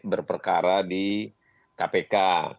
berpengaruh di kpk